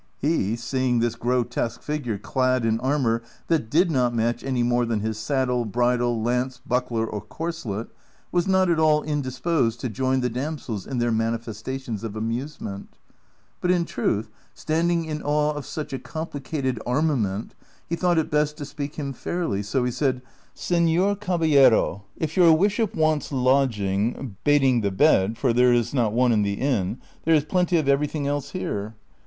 He, seeing this grotesque figure clad in armor that did not match any more than his saddle, bridle, lance, buckler, or corselet, was not at all indisposed to join the damsels in their manifestations of amusement ; but, in truth, standing in awe of such a compli cated armament, he thought it best to speak him fairly, so he said, " Seiior Caballero, if your worship wants lodging, bating the bed (for there is not one in the inn) there is plenty of everything else here."